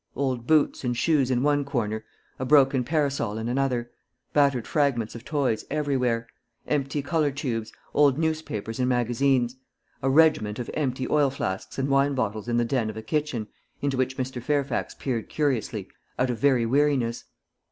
old boots and shoes in one corner; a broken parasol in another; battered fragments of toys everywhere; empty colour tubes; old newspapers and magazines; a regiment of empty oil flasks and wine bottles in the den of a kitchen into which Mr. Fairfax peered curiously, out of very weariness.